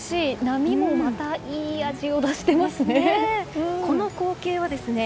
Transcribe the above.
波もまたいい味を出していますね。